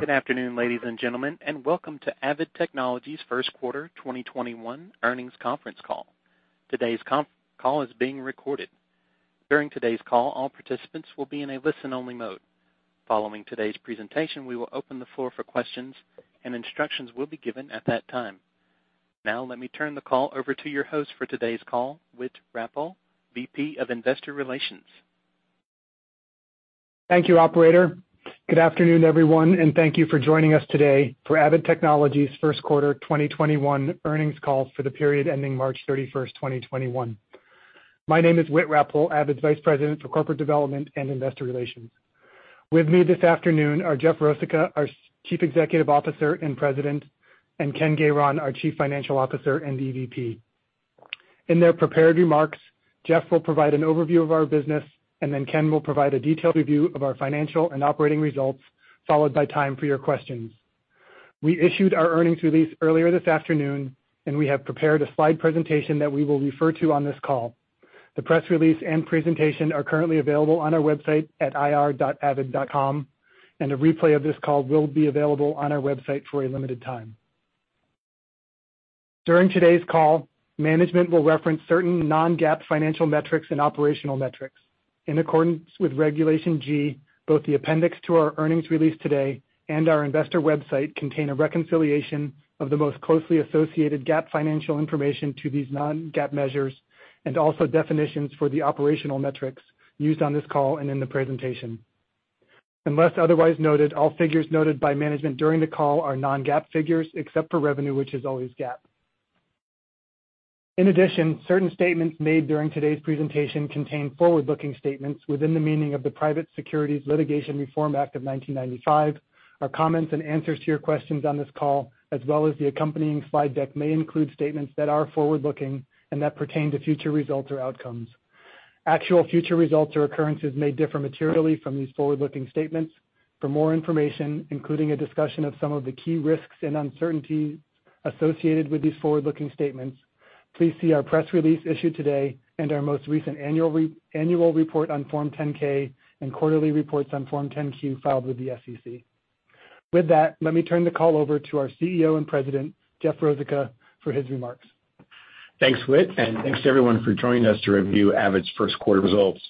Good afternoon, ladies and gentlemen, and welcome to Avid Technology's First Quarter 2021 Earnings Conference Call. Today's call is being recorded. During today's call, all participants will be in a listen-only mode. Following today's presentation, we will open the floor for questions, and instructions will be given at that time. Now, let me turn the call over to your host for today's call, Whit Rappole, VP of Investor Relations. Thank you, operator. Good afternoon, everyone, and thank you for joining us today for Avid Technology's first quarter 2021 earnings call for the period ending March 31st, 2021. My name is Whit Rappole, Avid's Vice President for Corporate Development and Investor Relations. With me this afternoon are Jeff Rosica, our Chief Executive Officer and President, and Ken Gayron, our Chief Financial Officer and EVP. In their prepared remarks, Jeff will provide an overview of our business, and then Ken will provide a detailed review of our financial and operating results, followed by time for your questions. We issued our earnings release earlier this afternoon, and we have prepared a slide presentation that we will refer to on this call. The press release and presentation are currently available on our website at ir.avid.com, and a replay of this call will be available on our website for a limited time. During today's call, management will reference certain non-GAAP financial metrics and operational metrics. In accordance with Regulation G, both the appendix to our earnings release today and our investor website contain a reconciliation of the most closely associated GAAP financial information to these non-GAAP measures and also definitions for the operational metrics used on this call and in the presentation. Unless otherwise noted, all figures noted by management during the call are non-GAAP figures, except for revenue, which is always GAAP. In addition, certain statements made during today's presentation contain forward-looking statements within the meaning of the Private Securities Litigation Reform Act of 1995. Our comments and answers to your questions on this call, as well as the accompanying slide deck may include statements that are forward-looking and that pertain to future results or outcomes. Actual future results or occurrences may differ materially from these forward-looking statements. For more information, including a discussion of some of the key risks and uncertainties associated with these forward-looking statements, please see our press release issued today and our most recent annual report on Form 10-K and quarterly reports on Form 10-Q filed with the SEC. With that, let me turn the call over to our CEO and President, Jeff Rosica, for his remarks. Thanks, Whit, and thanks to everyone for joining us to review Avid's first quarter results.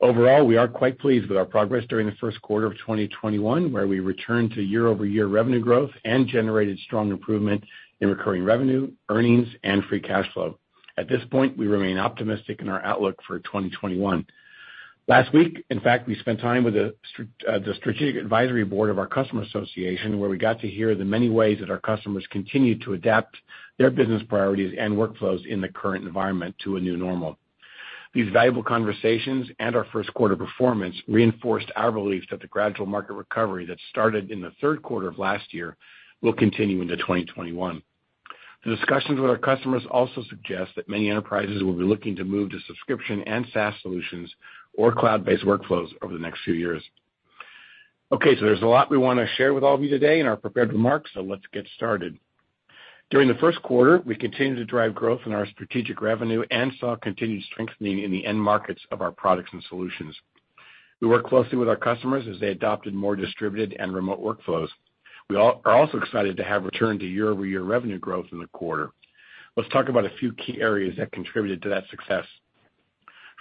Overall, we are quite pleased with our progress during the first quarter of 2021, where we returned to year-over-year revenue growth and generated strong improvement in recurring revenue, earnings, and free cash flow. At this point, we remain optimistic in our outlook for 2021. Last week, in fact, we spent time with the strategic advisory board of our customer association, where we got to hear the many ways that our customers continue to adapt their business priorities and workflows in the current environment to a new normal. These valuable conversations and our first quarter performance reinforced our belief that the gradual market recovery that started in the third quarter of last year will continue into 2021. The discussions with our customers also suggest that many enterprises will be looking to move to subscription and SaaS solutions or cloud-based workflows over the next few years. Okay, there's a lot we want to share with all of you today in our prepared remarks. Let's get started. During the first quarter, we continued to drive growth in our strategic revenue and saw continued strengthening in the end markets of our products and solutions. We worked closely with our customers as they adopted more distributed and remote workflows. We are also excited to have returned to year-over-year revenue growth in the quarter. Let's talk about a few key areas that contributed to that success.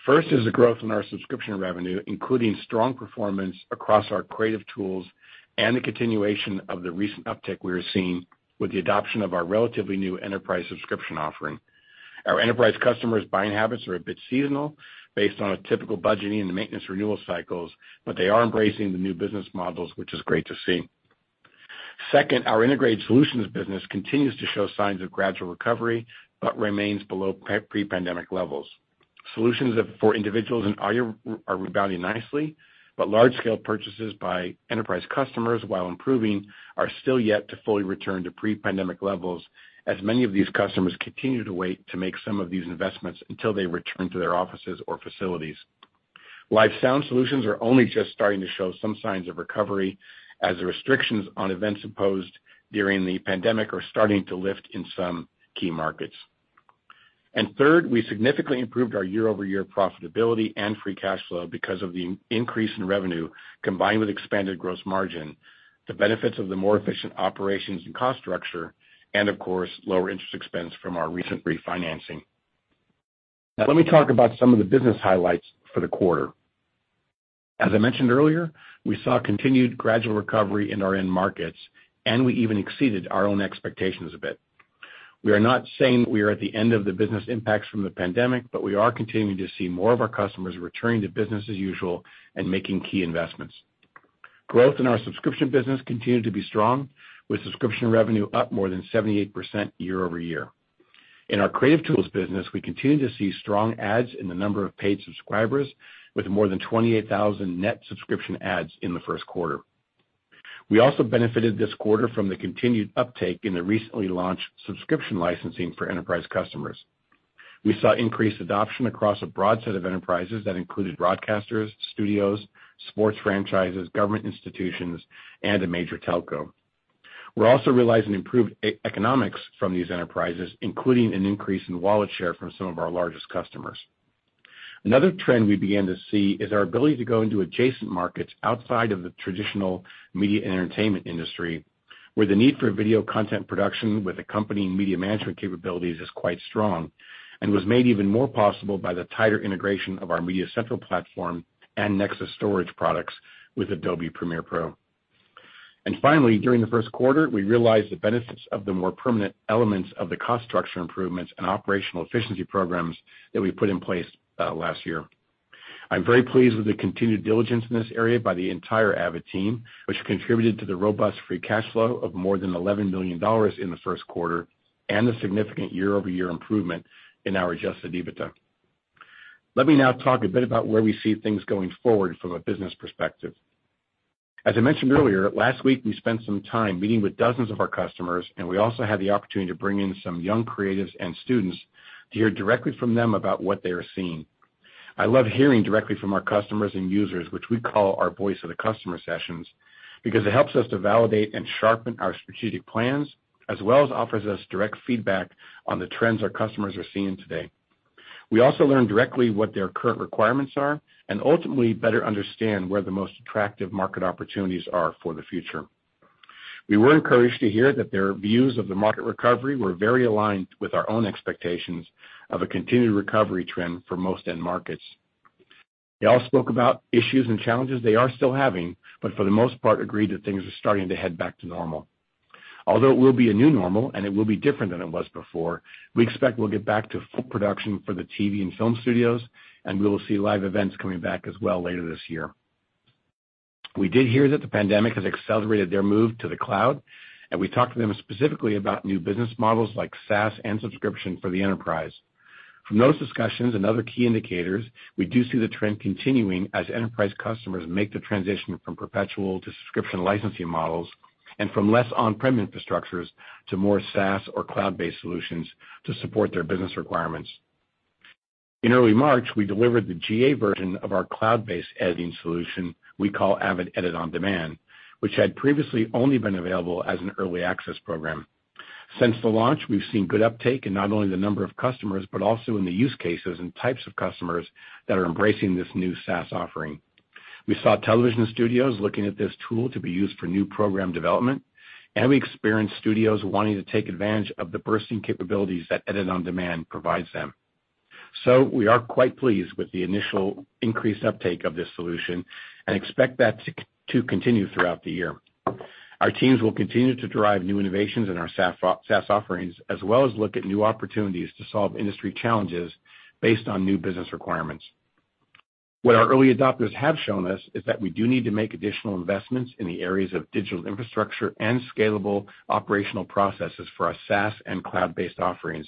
First is the growth in our subscription revenue, including strong performance across our creative tools and the continuation of the recent uptick we are seeing with the adoption of our relatively new enterprise subscription offering. Our enterprise customers' buying habits are a bit seasonal based on a typical budgeting and maintenance renewal cycles, but they are embracing the new business models, which is great to see. Second, our integrated solutions business continues to show signs of gradual recovery but remains below pre-pandemic levels. Solutions for individuals and [IR] are rebounding nicely, but large-scale purchases by enterprise customers, while improving, are still yet to fully return to pre-pandemic levels as many of these customers continue to wait to make some of these investments until they return to their offices or facilities. Live sound solutions are only just starting to show some signs of recovery as the restrictions on events imposed during the pandemic are starting to lift in some key markets. Third, we significantly improved our year-over-year profitability and free cash flow because of the increase in revenue combined with expanded gross margin, the benefits of the more efficient operations and cost structure, and of course, lower interest expense from our recent refinancing. Now, let me talk about some of the business highlights for the quarter. As I mentioned earlier, we saw continued gradual recovery in our end markets, and we even exceeded our own expectations a bit. We are not saying we are at the end of the business impacts from the pandemic, but we are continuing to see more of our customers returning to business as usual and making key investments. Growth in our subscription business continued to be strong, with subscription revenue up more than 78% year-over-year. In our creative tools business, we continue to see strong adds in the number of paid subscribers with more than 28,000 net subscription adds in the first quarter. We also benefited this quarter from the continued uptake in the recently launched subscription licensing for enterprise customers. We saw increased adoption across a broad set of enterprises that included broadcasters, studios, sports franchises, government institutions, and a major telco. We're also realizing improved economics from these enterprises, including an increase in wallet share from some of our largest customers. Another trend we began to see is our ability to go into adjacent markets outside of the traditional media and entertainment industry, where the need for video content production with accompanying media management capabilities is quite strong, and was made even more possible by the tighter integration of our MediaCentral platform and NEXIS storage products with Adobe Premiere Pro. Finally, during the first quarter, we realized the benefits of the more permanent elements of the cost structure improvements and operational efficiency programs that we put in place last year. I'm very pleased with the continued diligence in this area by the entire Avid team, which contributed to the robust free cash flow of more than $11 million in the first quarter, and the significant year-over-year improvement in our adjusted EBITDA. Let me now talk a bit about where we see things going forward from a business perspective. As I mentioned earlier, last week, we spent some time meeting with dozens of our customers, and we also had the opportunity to bring in some young creatives and students to hear directly from them about what they are seeing. I love hearing directly from our customers and users, which we call our voice of the customer sessions, because it helps us to validate and sharpen our strategic plans, as well as offers us direct feedback on the trends our customers are seeing today. We also learn directly what their current requirements are, and ultimately better understand where the most attractive market opportunities are for the future. We were encouraged to hear that their views of the market recovery were very aligned with our own expectations of a continued recovery trend for most end markets. They all spoke about issues and challenges they are still having, but for the most part agreed that things are starting to head back to normal. Although it will be a new normal and it will be different than it was before, we expect we'll get back to full production for the TV and film studios, and we will see live events coming back as well later this year. We did hear that the pandemic has accelerated their move to the cloud, and we talked to them specifically about new business models like SaaS and subscription for the enterprise. From those discussions and other key indicators, we do see the trend continuing as enterprise customers make the transition from perpetual to subscription licensing models, and from less on-prem infrastructures to more SaaS or cloud-based solutions to support their business requirements. In early March, we delivered the GA version of our cloud-based editing solution we call Avid Edit On Demand, which had previously only been available as an early access program. Since the launch, we've seen good uptake in not only the number of customers, but also in the use cases and types of customers that are embracing this new SaaS offering. We saw television studios looking at this tool to be used for new program development, and we experienced studios wanting to take advantage of the bursting capabilities that Edit On Demand provides them. We are quite pleased with the initial increased uptake of this solution and expect that to continue throughout the year. Our teams will continue to derive new innovations in our SaaS offerings, as well as look at new opportunities to solve industry challenges based on new business requirements. What our early adopters have shown us is that we do need to make additional investments in the areas of digital infrastructure and scalable operational processes for our SaaS and cloud-based offerings.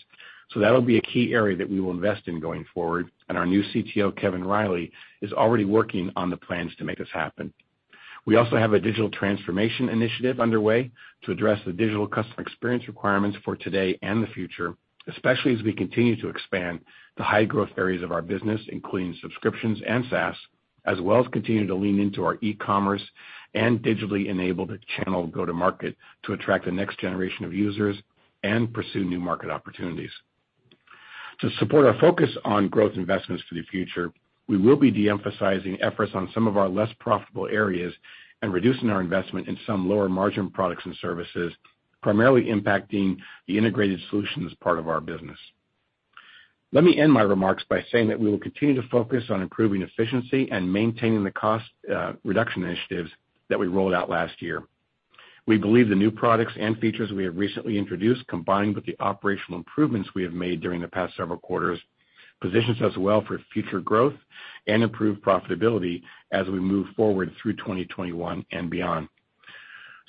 That'll be a key area that we will invest in going forward, and our new CTO, Kevin Riley, is already working on the plans to make this happen. We also have a digital transformation initiative underway to address the digital customer experience requirements for today and the future, especially as we continue to expand the high growth areas of our business, including subscriptions and SaaS, as well as continue to lean into our e-commerce and digitally enabled channel go-to-market to attract the next generation of users and pursue new market opportunities. To support our focus on growth investments for the future, we will be de-emphasizing efforts on some of our less profitable areas and reducing our investment in some lower margin products and services, primarily impacting the integrated solutions part of our business. Let me end my remarks by saying that we will continue to focus on improving efficiency and maintaining the cost reduction initiatives that we rolled out last year. We believe the new products and features we have recently introduced, combined with the operational improvements we have made during the past several quarters, positions us well for future growth and improved profitability as we move forward through 2021 and beyond.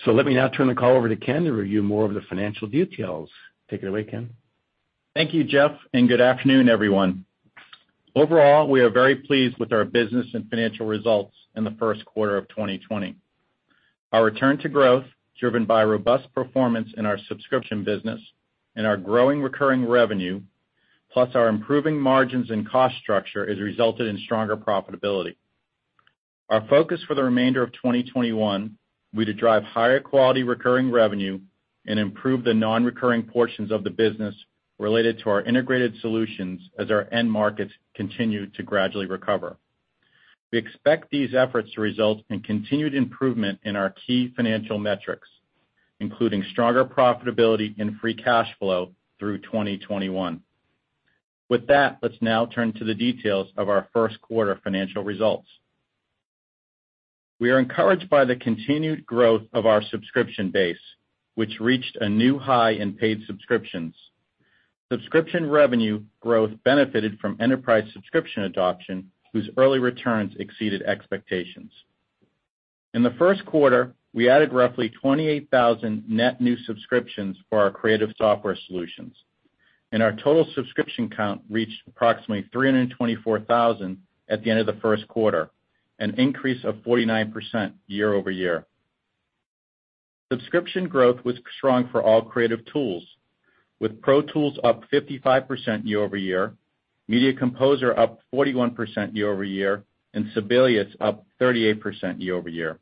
Let me now turn the call over to Ken to review more of the financial details. Take it away, Ken. Thank you, Jeff, and good afternoon, everyone. Overall, we are very pleased with our business and financial results in the first quarter of 2020. Our return to growth, driven by robust performance in our subscription business and our growing recurring revenue, plus our improving margins and cost structure, has resulted in stronger profitability. Our focus for the remainder of 2021 will be to drive higher quality recurring revenue and improve the non-recurring portions of the business related to our integrated solutions as our end markets continue to gradually recover. We expect these efforts to result in continued improvement in our key financial metrics, including stronger profitability and free cash flow through 2021. With that, let's now turn to the details of our first quarter financial results. We are encouraged by the continued growth of our subscription base, which reached a new high in paid subscriptions. Subscription revenue growth benefited from enterprise subscription adoption, whose early returns exceeded expectations. In the first quarter, we added roughly 28,000 net new subscriptions for our creative software solutions, and our total subscription count reached approximately 324,000 at the end of the first quarter, an increase of 49% year-over-year. Subscription growth was strong for all creative tools, with Pro Tools up 55% year-over-year, Media Composer up 41% year-over-year, and Sibelius up 38% year-over-year.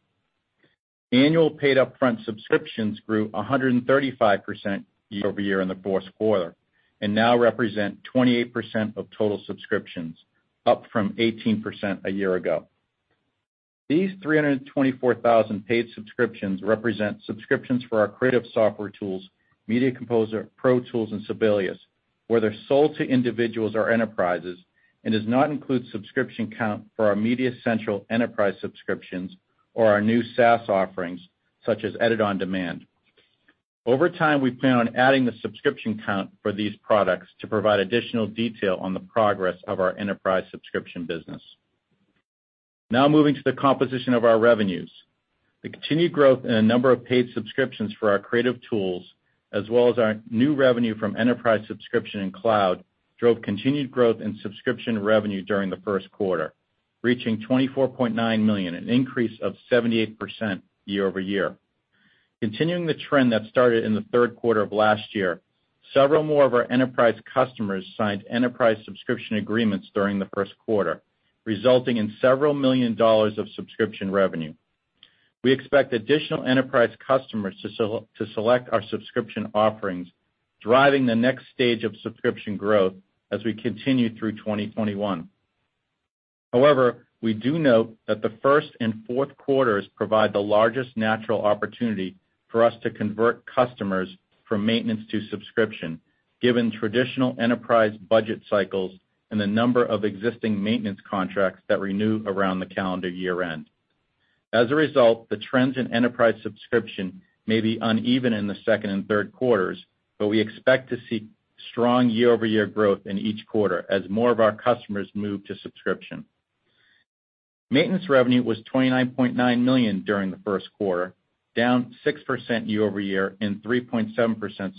Annual paid upfront subscriptions grew 135% year-over-year in the first quarter, and now represent 28% of total subscriptions, up from 18% a year ago. These 324,000 paid subscriptions represent subscriptions for our creative software tools, Media Composer, Pro Tools, and Sibelius, whether sold to individuals or enterprises, and does not include subscription count for our MediaCentral enterprise subscriptions or our new SaaS offerings, such as Edit On Demand. Over time, we plan on adding the subscription count for these products to provide additional detail on the progress of our enterprise subscription business. Now moving to the composition of our revenues. The continued growth in the number of paid subscriptions for our creative tools, as well as our new revenue from enterprise subscription and cloud, drove continued growth in subscription revenue during the first quarter, reaching $24.9 million, an increase of 78% year-over-year. Continuing the trend that started in the third quarter of last year, several more of our enterprise customers signed enterprise subscription agreements during the first quarter, resulting in several million dollars of subscription revenue. We expect additional enterprise customers to select our subscription offerings, driving the next stage of subscription growth as we continue through 2021. However, we do note that the first and fourth quarters provide the largest natural opportunity for us to convert customers from maintenance to subscription, given traditional enterprise budget cycles and the number of existing maintenance contracts that renew around the calendar year-end. As a result, the trends in enterprise subscription may be uneven in the second and third quarters, but we expect to see strong year-over-year growth in each quarter as more of our customers move to subscription. Maintenance revenue was $29.9 million during the first quarter, down 6% year-over-year and 3.7%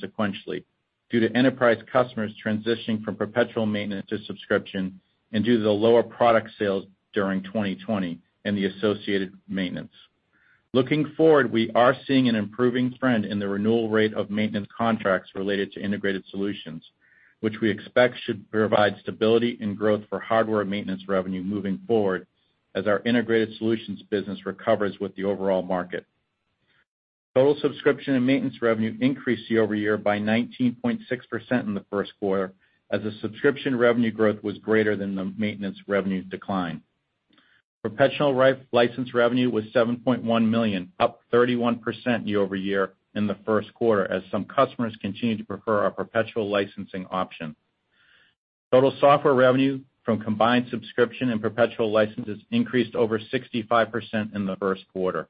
sequentially due to enterprise customers transitioning from perpetual maintenance to subscription and due to the lower product sales during 2020 and the associated maintenance. Looking forward, we are seeing an improving trend in the renewal rate of maintenance contracts related to integrated solutions, which we expect should provide stability and growth for hardware maintenance revenue moving forward as our integrated solutions business recovers with the overall market. Total subscription and maintenance revenue increased year-over-year by 19.6% in the first quarter as the subscription revenue growth was greater than the maintenance revenue decline. Perpetual license revenue was $7.1 million, up 31% year-over-year in the first quarter as some customers continued to prefer our perpetual licensing option. Total software revenue from combined subscription and perpetual licenses increased over 65% in the first quarter.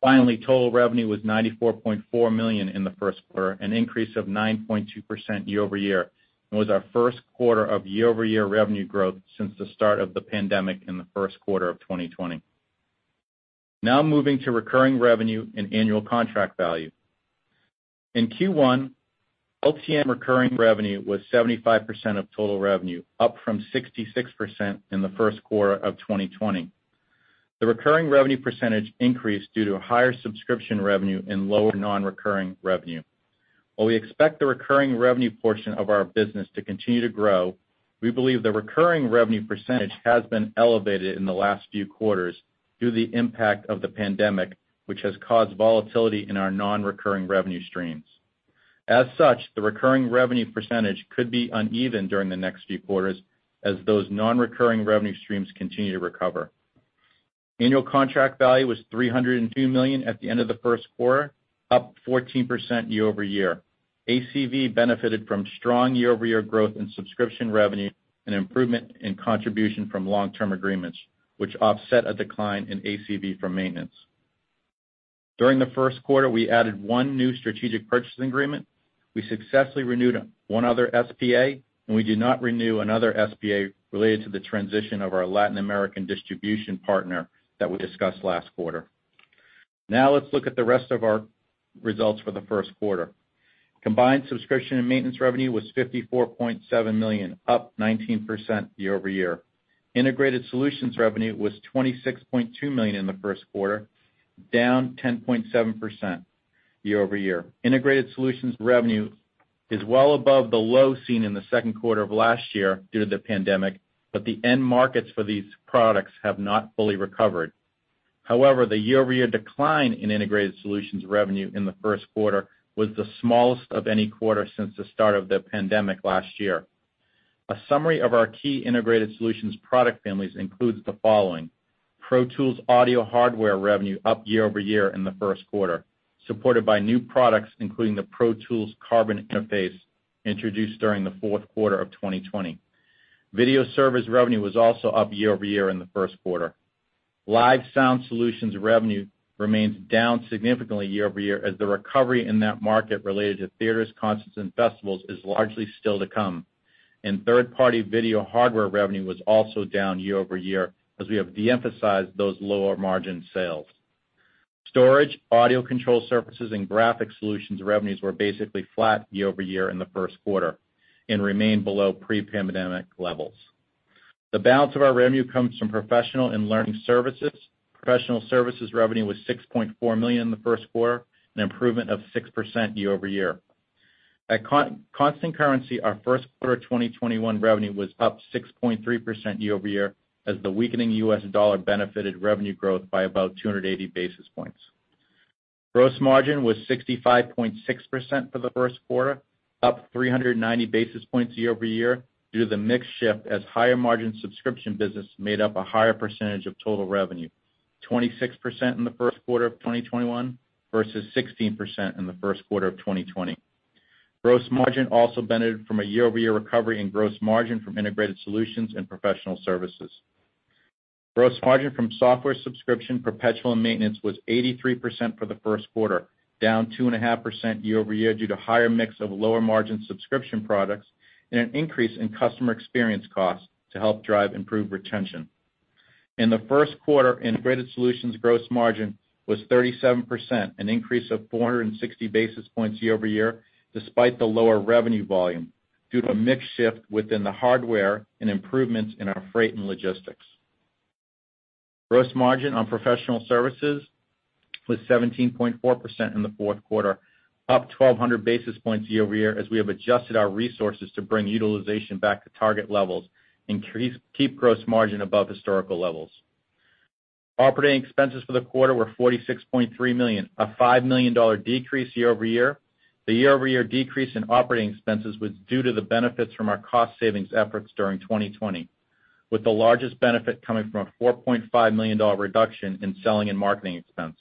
Finally, total revenue was $94.4 million in the first quarter, an increase of 9.2% year-over-year, and was our first quarter of year-over-year revenue growth since the start of the pandemic in the first quarter of 2020. Moving to recurring revenue and annual contract value. In Q1, LTM recurring revenue was 75% of total revenue, up from 66% in the first quarter of 2020. The recurring revenue percentage increased due to higher subscription revenue and lower non-recurring revenue. While we expect the recurring revenue portion of our business to continue to grow, we believe the recurring revenue percentage has been elevated in the last few quarters due to the impact of the pandemic, which has caused volatility in our non-recurring revenue streams. As such, the recurring revenue percentage could be uneven during the next few quarters as those non-recurring revenue streams continue to recover. Annual contract value was $302 million at the end of the first quarter, up 14% year-over-year. ACV benefited from strong year-over-year growth in subscription revenue and improvement in contribution from long-term agreements, which offset a decline in ACV from maintenance. During the first quarter, we added one new strategic purchasing agreement, we successfully renewed one other SPA, and we did not renew another SPA related to the transition of our Latin American distribution partner that we discussed last quarter. Let's look at the rest of our results for the first quarter. Combined subscription and maintenance revenue was $54.7 million, up 19% year-over-year. Integrated solutions revenue was $26.2 million in the first quarter, down 10.7% year-over-year. Integrated solutions revenue is well above the low seen in the second quarter of last year due to the pandemic, but the end markets for these products have not fully recovered. However, the year-over-year decline in integrated solutions revenue in the first quarter was the smallest of any quarter since the start of the pandemic last year. A summary of our key integrated solutions product families includes the following. Pro Tools audio hardware revenue up year-over-year in the first quarter, supported by new products including the Pro Tools | Carbon interface introduced during the fourth quarter of 2020. Video service revenue was also up year-over-year in the first quarter. Live sound solutions revenue remains down significantly year-over-year as the recovery in that market related to theaters, concerts, and festivals is largely still to come, and third-party video hardware revenue was also down year-over-year as we have de-emphasized those lower margin sales. Storage, audio control surfaces, and graphic solutions revenues were basically flat year-over-year in the first quarter and remain below pre-pandemic levels. The balance of our revenue comes from professional and learning services. Professional services revenue was $6.4 million in the first quarter, an improvement of 6% year-over-year. At constant currency, our first quarter of 2021 revenue was up 6.3% year-over-year as the weakening US dollar benefited revenue growth by about 280 basis points. Gross margin was 65.6% for the first quarter, up 390 basis points year-over-year due to the mix shift as higher margin subscription business made up a higher percentage of total revenue, 26% in the first quarter of 2021 versus 16% in the first quarter of 2020. Gross margin also benefited from a year-over-year recovery in gross margin from integrated solutions and professional services. Gross margin from software subscription, perpetual, and maintenance was 83% for the first quarter, down 2.5% year-over-year due to higher mix of lower margin subscription products and an increase in customer experience costs to help drive improved retention. In the first quarter, integrated solutions gross margin was 37%, an increase of 460 basis points year-over-year despite the lower revenue volume due to a mix shift within the hardware and improvements in our freight and logistics. Gross margin on professional services was 17.4% in the fourth quarter, up 1,200 basis points year-over-year as we have adjusted our resources to bring utilization back to target levels and keep gross margin above historical levels. Operating expenses for the quarter were $46.3 million, a $5 million decrease year-over-year. The year-over-year decrease in operating expenses was due to the benefits from our cost savings efforts during 2020, with the largest benefit coming from a $4.5 million reduction in selling and marketing expense.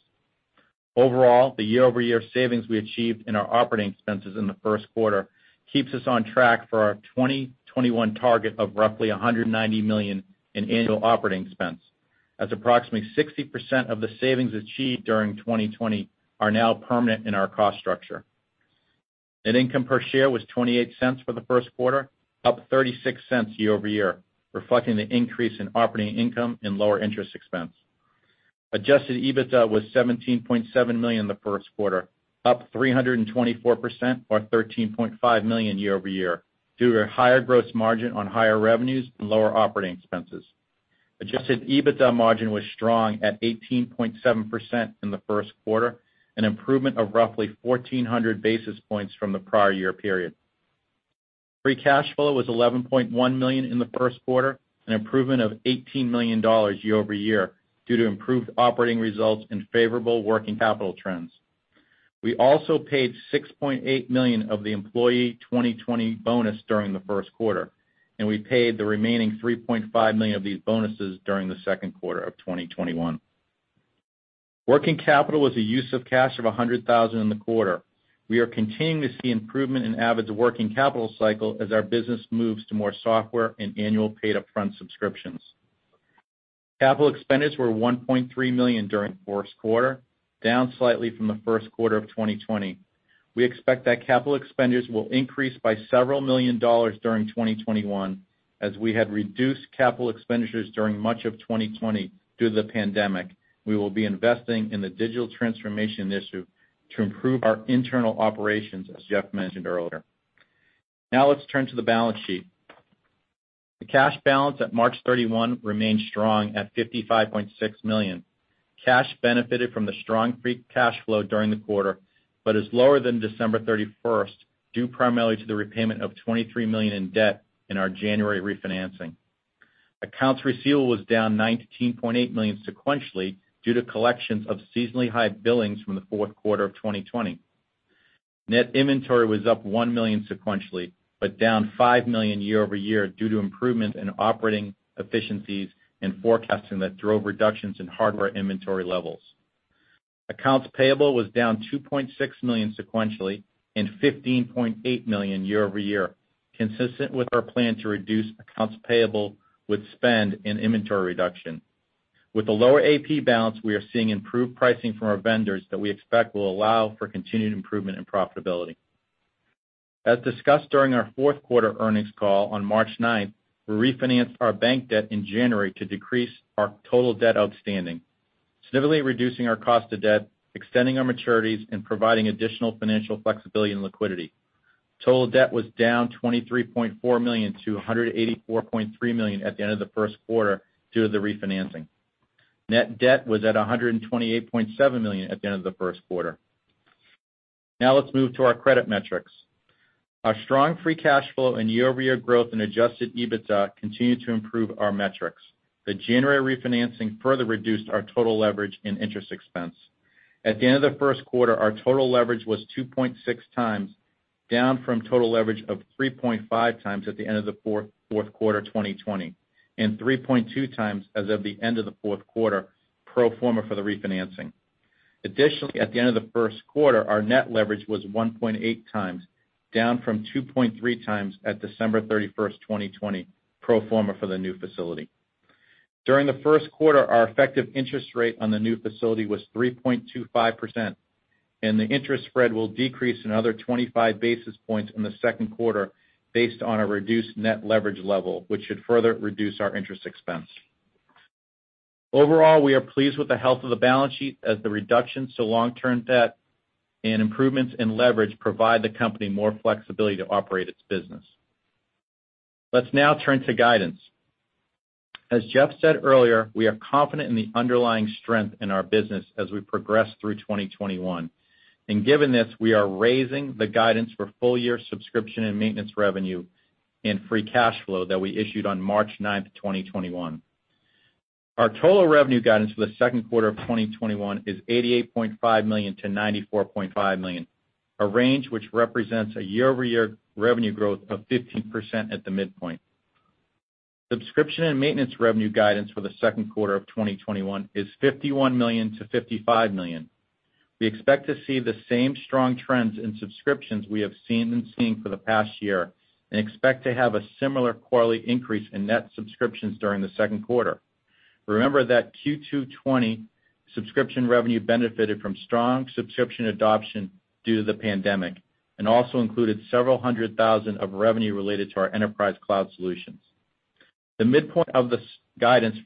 Overall, the year-over-year savings we achieved in our operating expenses in the first quarter keeps us on track for our 2021 target of roughly $190 million in annual operating expense, as approximately 60% of the savings achieved during 2020 are now permanent in our cost structure. Net income per share was $0.28 for the first quarter, up $0.36 year-over-year, reflecting the increase in operating income and lower interest expense. Adjusted EBITDA was $17.7 million in the first quarter, up 324% or $13.5 million year-over-year due to higher gross margin on higher revenues and lower operating expenses. Adjusted EBITDA margin was strong at 18.7% in the first quarter, an improvement of roughly 1,400 basis points from the prior year period. Free cash flow was $11.1 million in the first quarter, an improvement of $18 million year-over-year due to improved operating results and favorable working capital trends. We also paid $6.8 million of the employee 2020 bonus during the first quarter, and we paid the remaining $3.5 million of these bonuses during the second quarter of 2021. Working capital was a use of cash of $100,000 in the quarter. We are continuing to see improvement in Avid's working capital cycle as our business moves to more software and annual paid upfront subscriptions. Capital expenditures were $1.3 million during the first quarter, down slightly from the first quarter of 2020. We expect that capital expenditures will increase by several million dollars during 2021 as we had reduced capital expenditures during much of 2020 due to the pandemic. We will be investing in the Digital Transformation Initiative to improve our internal operations, as Jeff mentioned earlier. Now let's turn to the balance sheet. The cash balance at March 31 remained strong at $55.6 million. Cash benefited from the strong free cash flow during the quarter. Is lower than December 31st due primarily to the repayment of $23 million in debt in our January refinancing. Accounts receivable was down $19.8 million sequentially due to collections of seasonally high billings from the fourth quarter of 2020. Net inventory was up $1 million sequentially, but down $5 million year-over-year due to improvements in operating efficiencies and forecasting that drove reductions in hardware inventory levels. Accounts payable was down $2.6 million sequentially and $15.8 million year-over-year, consistent with our plan to reduce accounts payable with spend and inventory reduction. With a lower AP balance, we are seeing improved pricing from our vendors that we expect will allow for continued improvement in profitability. As discussed during our fourth quarter earnings call on March 9th, we refinanced our bank debt in January to decrease our total debt outstanding, significantly reducing our cost of debt, extending our maturities, and providing additional financial flexibility and liquidity. Total debt was down $23.4 million to $184.3 million at the end of the first quarter due to the refinancing. Net debt was at $128.7 million at the end of the first quarter. Let's move to our credit metrics. Our strong free cash flow and year-over-year growth in adjusted EBITDA continue to improve our metrics. The January refinancing further reduced our total leverage and interest expense. At the end of the first quarter, our total leverage was 2.6x, down from total leverage of 3.5x at the end of the fourth quarter 2020 and 3.2x as of the end of the fourth quarter pro forma for the refinancing. Additionally, at the end of the first quarter, our net leverage was 1.8x, down from 2.3x at December 31st, 2020, pro forma for the new facility. During the first quarter, our effective interest rate on the new facility was 3.25%, and the interest spread will decrease another 25 basis points in the second quarter based on a reduced net leverage level, which should further reduce our interest expense. Overall, we are pleased with the health of the balance sheet as the reductions to long-term debt and improvements in leverage provide the company more flexibility to operate its business. Let's now turn to guidance. As Jeff said earlier, we are confident in the underlying strength in our business as we progress through 2021. Given this, we are raising the guidance for full-year subscription and maintenance revenue and free cash flow that we issued on March 9th, 2021. Our total revenue guidance for the second quarter of 2021 is $88.5 million-$94.5 million, a range which represents a year-over-year revenue growth of 15% at the midpoint. Subscription and maintenance revenue guidance for the second quarter of 2021 is $51 million-$55 million. We expect to see the same strong trends in subscriptions we have seen for the past year, and expect to have a similar quarterly increase in net subscriptions during the second quarter. Remember that Q2 2020 subscription revenue benefited from strong subscription adoption due to the pandemic and also included several hundred thousand of revenue related to our enterprise cloud solutions. The midpoint of this guidance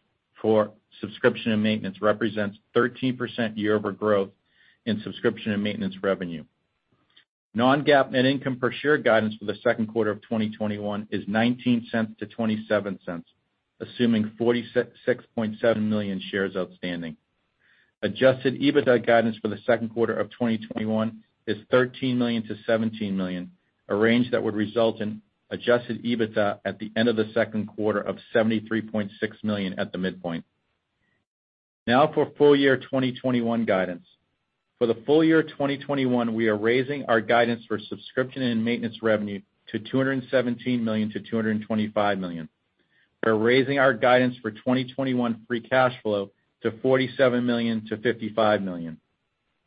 for subscription and maintenance represents 13% year-over growth in subscription and maintenance revenue. Non-GAAP net income per share guidance for the second quarter of 2021 is $0.19 to $0.27, assuming 46.7 million shares outstanding. Adjusted EBITDA guidance for the second quarter of 2021 is $13 million to $17 million, a range that would result in adjusted EBITDA at the end of the second quarter of $73.6 million at the midpoint. Now for full-year 2021 guidance. For the full year 2021, we are raising our guidance for subscription and maintenance revenue to $217 million to $225 million. We're raising our guidance for 2021 free cash flow to $47 million to $55 million.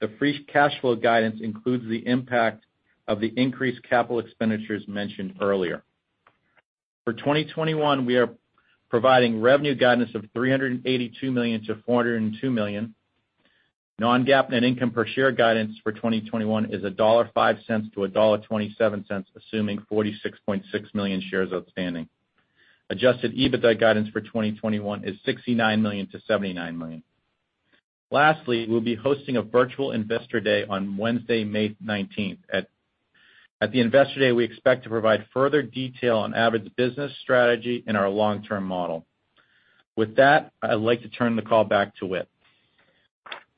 The free cash flow guidance includes the impact of the increased capital expenditures mentioned earlier. For 2021, we are providing revenue guidance of $382 million-$402 million. Non-GAAP net income per share guidance for 2021 is $1.05-$1.27, assuming 46.6 million shares outstanding. Adjusted EBITDA guidance for 2021 is $69 million-$79 million. We'll be hosting a virtual Investor Day on Wednesday, May 19th. At the Investor Day, we expect to provide further detail on Avid's business strategy and our long-term model. With that, I'd like to turn the call back to Whit.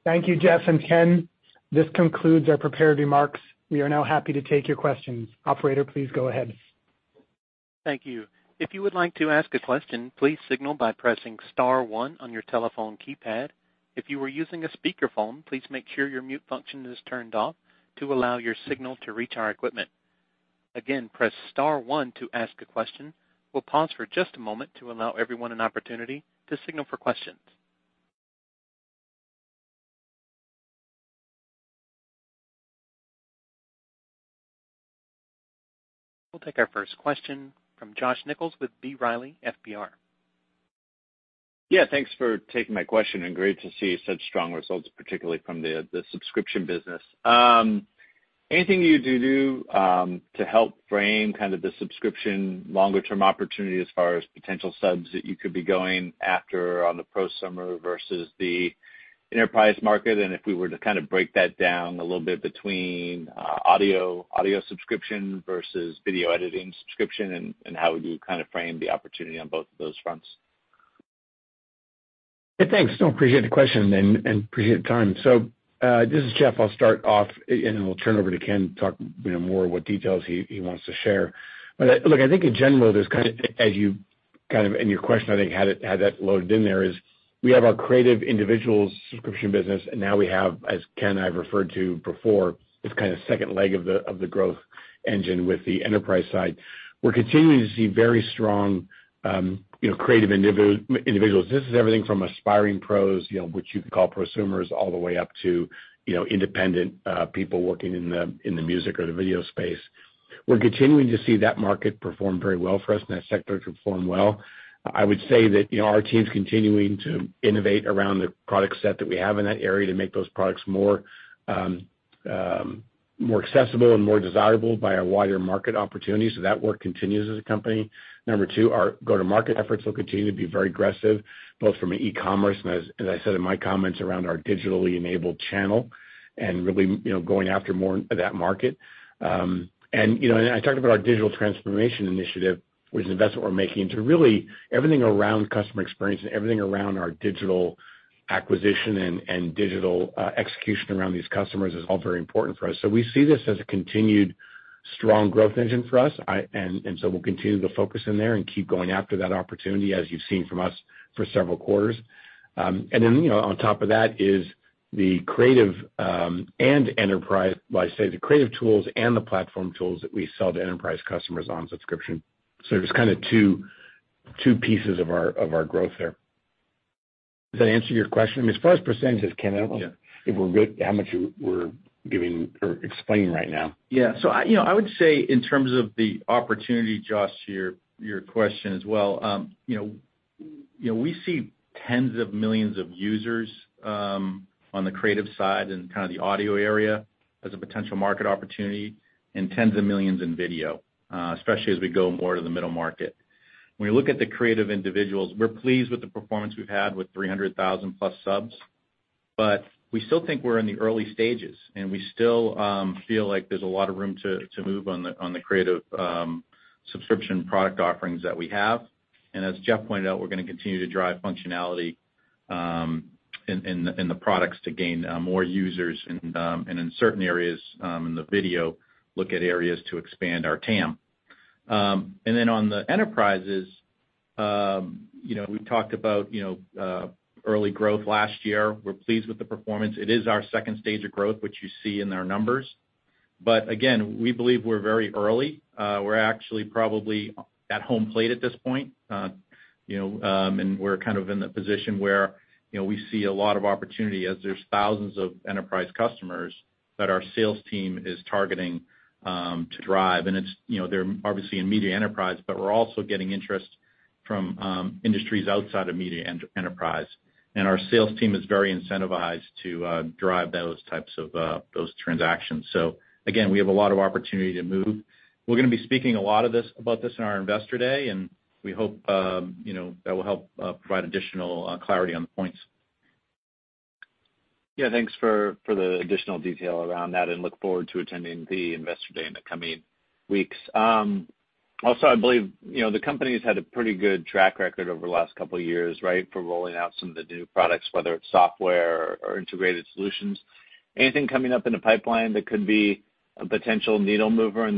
Thank you, Jeff and Ken. This concludes our prepared remarks. We are now happy to take your questions. Operator, please go ahead. Thank you. If you would like to ask a question, please signal by pressing star one on your telephone keypad. If you are using a speakerphone, please make sure your mute function is turned off to allow your signal to reach our equipment. Again, press star one to ask a question. We'll pause for just a moment to allow everyone an opportunity to signal for questions. We'll take our first question from Josh Nichols with B. Riley FBR. Yeah, thanks for taking my question, and great to see such strong results, particularly from the subscription business. Anything you do to help frame kind of the subscription longer-term opportunity as far as potential subs that you could be going after on the prosumer versus the enterprise market? If we were to kind of break that down a little bit between audio subscription versus video editing subscription, and how would you kind of frame the opportunity on both of those fronts? Hey, thanks. Appreciate the question and appreciate the time. This is Jeff. I'll start off, and then we'll turn over to Ken to talk more what details he wants to share. Look, I think in general, as you kind of in your question, I think, had that loaded in there, is we have our creative individuals subscription business, and now we have, as Ken and I have referred to before, this kind of second leg of the growth engine with the enterprise side. We're continuing to see very strong creative individuals. This is everything from aspiring pros, which you could call prosumers, all the way up to independent people working in the music or the video space. We're continuing to see that market perform very well for us, and that sector to perform well. I would say that our team's continuing to innovate around the product set that we have in that area to make those products more accessible and more desirable by our wider market opportunities. That work continues as a company. Number two, our go-to-market efforts will continue to be very aggressive, both from an e-commerce, and as I said in my comments around our digitally enabled channel and really going after more of that market. I talked about our digital transformation initiative, which is an investment we're making into really everything around customer experience and everything around our digital acquisition and digital execution around these customers is all very important for us. We see this as a continued strong growth engine for us. We'll continue the focus in there and keep going after that opportunity, as you've seen from us for several quarters. On top of that is the creative and enterprise Well, I say the creative tools and the platform tools that we sell to enterprise customers on subscription. There's kind of two pieces of our growth there. Does that answer your question? As far as percentages, Ken, I don't know if we're good how much we're giving or explaining right now. Yeah. I would say in terms of the opportunity, Josh, to your question as well. We see 10 millions of users on the creative side and kind of the audio area as a potential market opportunity, and tens of millions in video, especially as we go more to the middle market. When we look at the creative individuals, we're pleased with the performance we've had with 300,000+ subs. We still think we're in the early stages, we still feel like there's a lot of room to move on the creative subscription product offerings that we have. As Jeff pointed out, we're going to continue to drive functionality in the products to gain more users, and in certain areas, in the video, look at areas to expand our TAM. On the enterprises, we've talked about early growth last year. We're pleased with the performance. It is our second stage of growth, which you see in our numbers. Again, we believe we're very early. We're actually probably at home plate at this point. We're kind of in the position where we see a lot of opportunity as there's thousands of enterprise customers that our sales team is targeting to drive. They're obviously in media enterprise, but we're also getting interest from industries outside of media enterprise. Our sales team is very incentivized to drive those types of transactions. Again, we have a lot of opportunity to move. We're going to be speaking a lot about this in our Investor Day, and we hope that will help provide additional clarity on the points. Yeah, thanks for the additional detail around that and look forward to attending the Investor Day in the coming weeks. I believe, the company's had a pretty good track record over the last couple of years, right? For rolling out some of the new products, whether it's software or integrated solutions. Anything coming up in the pipeline that could be a potential needle mover?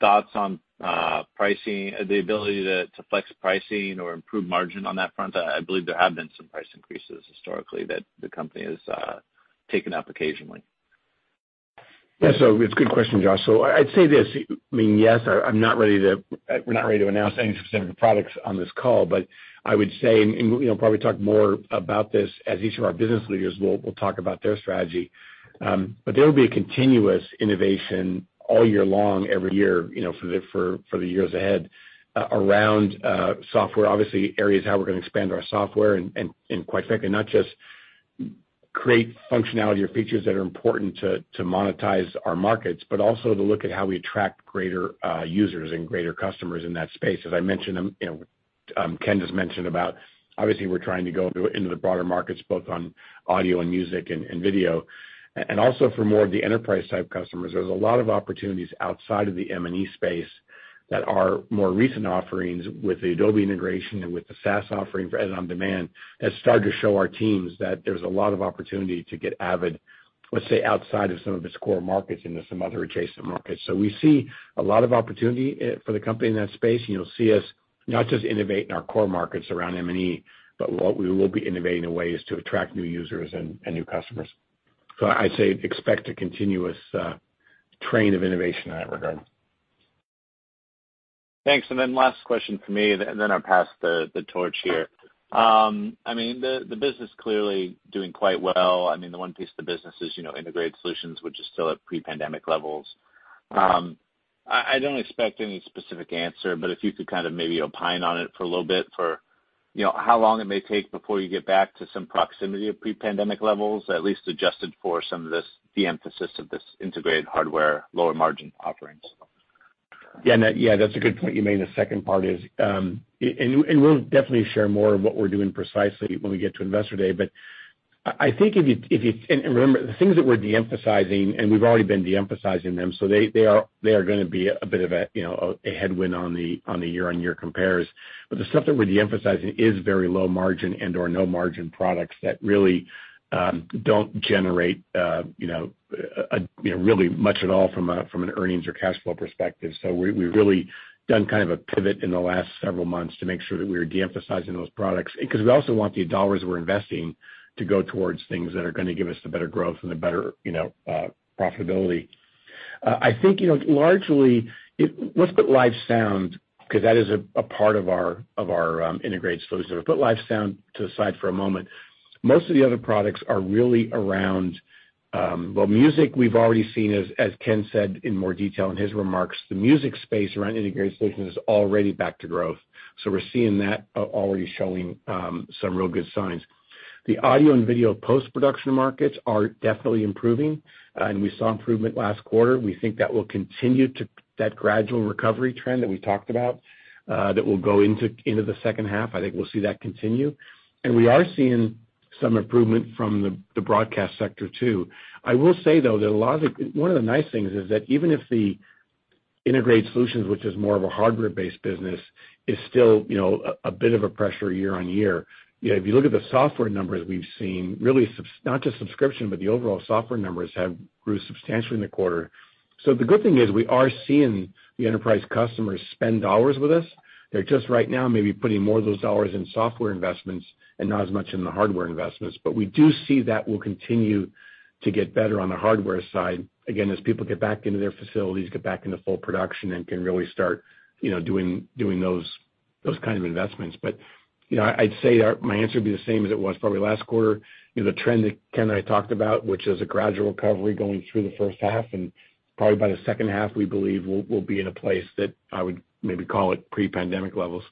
Thoughts on the ability to flex pricing or improve margin on that front. I believe there have been some price increases historically that the company has taken up occasionally. It's a good question, Josh. I'd say this, yes, we're not ready to announce any specific products on this call, but I would say, and we'll probably talk more about this as each of our business leaders will talk about their strategy. There will be a continuous innovation all year long, every year, for the years ahead, around software. Obviously, areas how we're going to expand our software and, quite frankly, not just create functionality or features that are important to monetize our markets, but also to look at how we attract greater users and greater customers in that space. As Ken just mentioned about, obviously, we're trying to go into the broader markets, both on audio and music and video. Also for more of the enterprise-type customers, there's a lot of opportunities outside of the M&E space that are more recent offerings with the Adobe integration and with the SaaS offering for Edit On Demand has started to show our teams that there's a lot of opportunity to get Avid, let's say, outside of some of its core markets into some other adjacent markets. We see a lot of opportunity for the company in that space, and you'll see us not just innovate in our core markets around M&E, but what we will be innovating in ways to attract new users and new customers. I'd say, expect a continuous train of innovation in that regard. Thanks. Last question from me, I'll pass the torch here. The business clearly doing quite well. The one piece of the business is integrated solutions, which is still at pre-pandemic levels. I don't expect any specific answer, but if you could kind of maybe opine on it for a little bit for how long it may take before you get back to some proximity of pre-pandemic levels, at least adjusted for some of this, de-emphasis of this integrated hardware, lower margin offerings. Yeah, that's a good point you made in the second part is. We'll definitely share more of what we're doing precisely when we get to Investor Day. I think and remember, the things that we're de-emphasizing, and we've already been de-emphasizing them, so they are going to be a bit of a headwind on the year-on-year compares. The stuff that we're de-emphasizing is very low margin and/or no margin products that really don't generate really much at all from an earnings or cash flow perspective. We've really done kind of a pivot in the last several months to make sure that we're de-emphasizing those products. We also want the dollars we're investing to go towards things that are going to give us the better growth and the better profitability. I think, largely, let's put live sound, because that is a part of our integrated solution. Put live sound to the side for a moment. Most of the other products are really well, music, we've already seen, as Ken said in more detail in his remarks, the music space around integrated solution is already back to growth. We're seeing that already showing some real good signs. The audio and video post-production markets are definitely improving, and we saw improvement last quarter. We think that will continue to that gradual recovery trend that we talked about, that will go into the second half. I think we'll see that continue. We are seeing some improvement from the broadcast sector, too. I will say, though, one of the nice things is that even if the integrated solutions, which is more of a hardware-based business, is still a bit of a pressure year-over-year. If you look at the software numbers we've seen, really not just subscription, but the overall software numbers have grown substantially in the quarter. The good thing is we are seeing the enterprise customers spend dollar with us. They're just right now maybe putting more of those dollar in software investments and not as much in the hardware investments. We do see that will continue to get better on the hardware side, again, as people get back into their facilities, get back into full production and can really start doing those kind of investments. I'd say my answer would be the same as it was probably last quarter. The trend that Ken and I talked about, which is a gradual recovery going through the first half. Probably by the second half, we believe we'll be in a place that I would maybe call it pre-pandemic levels.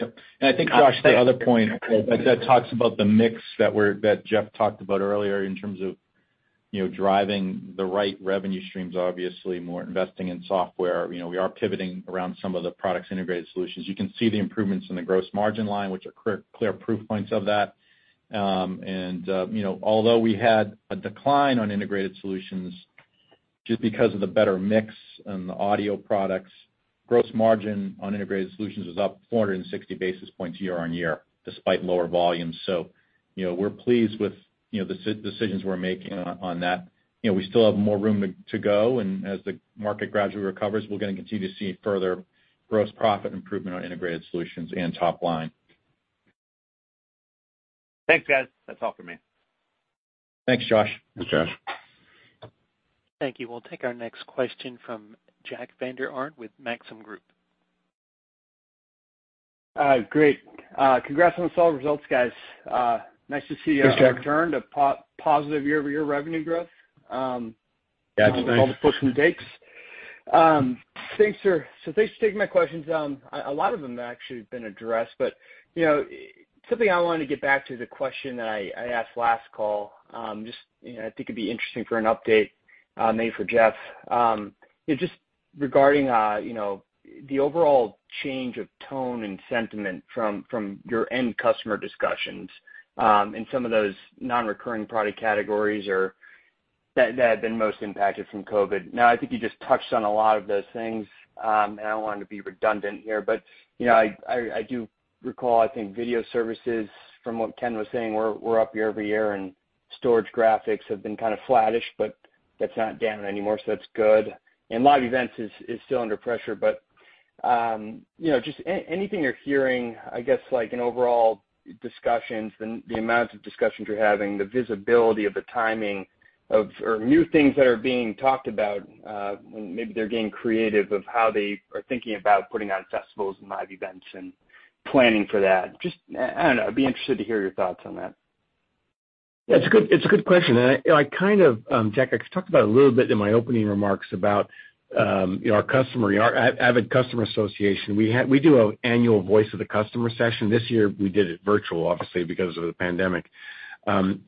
Yep. I think, Josh, the other point that talks about the mix that Jeff talked about earlier in terms of driving the right revenue streams, obviously more investing in software. We are pivoting around some of the products integrated solutions. You can see the improvements in the gross margin line, which are clear proof points of that. Although we had a decline on integrated solutions, just because of the better mix and the audio products, gross margin on integrated solutions was up 460 basis points year-on-year despite lower volumes. We're pleased with the decisions we're making on that. We still have more room to go, and as the market gradually recovers, we're going to continue to see further gross profit improvement on integrated solutions and top line. Thanks, guys. That's all for me. Thanks, Josh. Thanks, Josh. Thank you. We'll take our next question from Jack Vander Aarde with Maxim Group. Great. Congrats on the solid results, guys. Thanks, Jack. Nice to see a return to positive year-over-year revenue growth. Yeah, it's nice With all the twists and takes. Thanks. Thanks for taking my questions. A lot of them have actually been addressed, but something I wanted to get back to, the question that I asked last call, just, I think it'd be interesting for an update, maybe for Jeff. Just regarding the overall change of tone and sentiment from your end customer discussions, in some of those non-recurring product categories or that have been most impacted from COVID. I think you just touched on a lot of those things, and I don't want to be redundant here, but I do recall, I think video services from what Ken was saying, were up year-over-year and storage graphics have been kind of flattish, but that's not down anymore, so that's good. Live events is still under pressure. Just anything you're hearing, I guess like in overall discussions, the amount of discussions you're having, the visibility of the timing of, or new things that are being talked about, maybe they're getting creative of how they are thinking about putting on festivals and live events and planning for that. Just, I don't know, I'd be interested to hear your thoughts on that. Yeah, it's a good question. I kind of, Jack, I talked about it a little bit in my opening remarks about our customer, our Avid Customer Association. We do an annual voice of the customer session. This year we did it virtual, obviously because of the pandemic.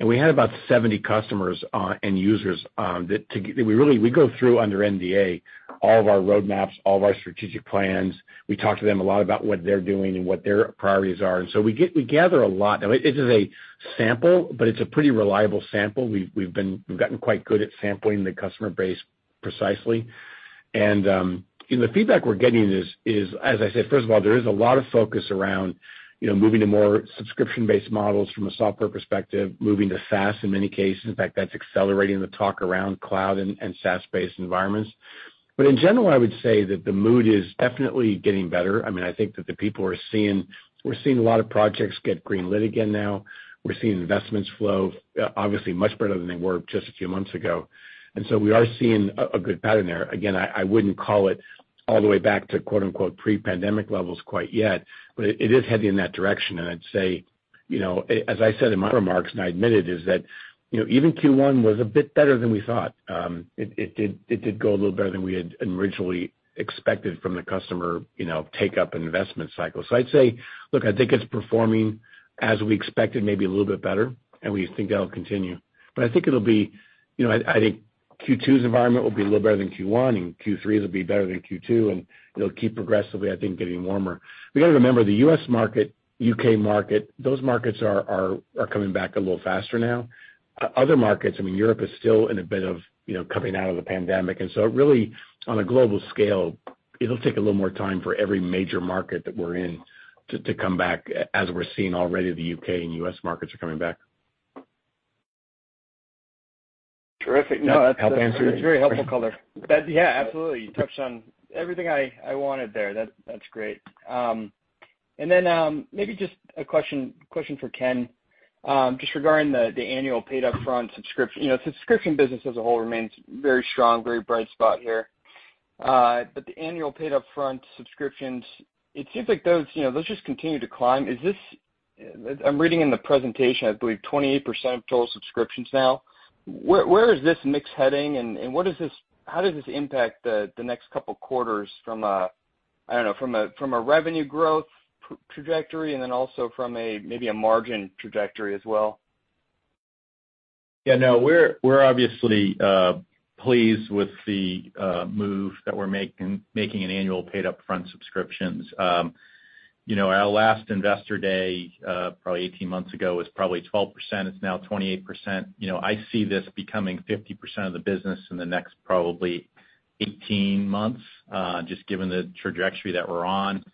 We had about 70 customers and users that we go through under NDA, all of our roadmaps, all of our strategic plans. We talk to them a lot about what they're doing and what their priorities are. We gather a lot. Now, this is a sample, but it's a pretty reliable sample. We've gotten quite good at sampling the customer base precisely. The feedback we're getting is, as I said, first of all, there is a lot of focus around moving to more subscription-based models from a software perspective, moving to SaaS in many cases. In fact, that's accelerating the talk around cloud and SaaS-based environments. In general, I would say that the mood is definitely getting better. I think that we're seeing a lot of projects get green-lit again now. We're seeing investments flow obviously much better than they were just a few months ago. We are seeing a good pattern there. Again, I wouldn't call it all the way back to quote-unquote "pre-pandemic levels" quite yet, but it is heading in that direction. I'd say as I said in my remarks, and I admitted, is that even Q1 was a bit better than we thought. It did go a little better than we had originally expected from the customer take-up and investment cycle. I'd say, look, I think it's performing as we expected, maybe a little bit better, and we think that'll continue. I think Q2's environment will be a little better than Q1, and Q3's will be better than Q2, and it'll keep progressively, I think, getting warmer. We got to remember, the U.S. market, U.K. market, those markets are coming back a little faster now. Other markets, Europe is still in a bit of coming out of the pandemic. Really on a global scale, it'll take a little more time for every major market that we're in to come back, as we're seeing already the U.K. and U.S. markets are coming back. Terrific. No. Hope that answers your question. a very helpful color. Yeah, absolutely. You touched on everything I wanted there. That's great. Maybe just a question for Ken, just regarding the annual paid upfront subscription. Subscription business as a whole remains very strong, very bright spot here. The annual paid upfront subscriptions, it seems like those just continue to climb. I'm reading in the presentation, I believe 28% of total subscriptions now. Where is this mix heading, and how does this impact the next couple quarters from a, I don't know, from a revenue growth trajectory, and then also from a maybe a margin trajectory as well? Yeah, no, we're obviously pleased with the move that we're making in annual paid upfront subscriptions. Our last Investor Day probably 18 months ago was probably 12%. It's now 28%. I see this becoming 50% of the business in the next probably 18 months, just given the trajectory that we're on.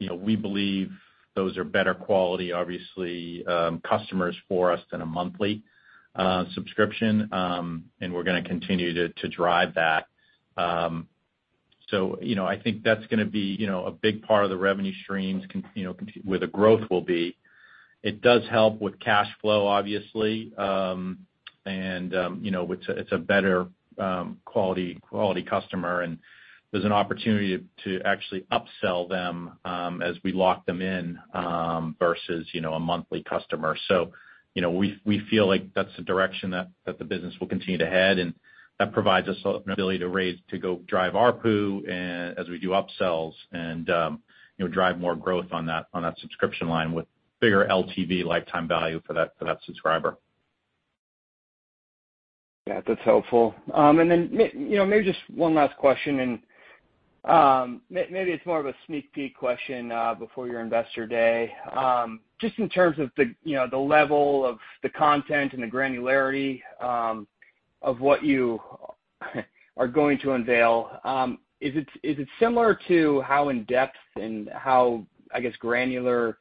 We believe those are better quality, obviously, customers for us than a monthly subscription. We're going to continue to drive that. I think that's going to be a big part of the revenue streams, where the growth will be. It does help with cash flow, obviously. It's a better quality customer, and there's an opportunity to actually upsell them as we lock them in, versus a monthly customer. We feel like that's the direction that the business will continue to head, and that provides us an ability to raise, to go drive ARPU as we do upsells and drive more growth on that subscription line with bigger LTV, lifetime value for that subscriber. Yeah, that's helpful. Then maybe just one last question, and maybe it's more of a sneak peek question before your investor day. In terms of the level of the content and the granularity of what you are going to unveil, is it similar to how in-depth and how, I guess, granular